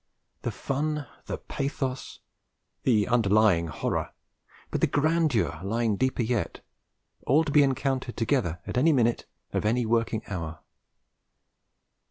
The fun, the pathos, the underlying horror, but the grandeur lying deeper yet, all to be encountered together at any minute of any working hour!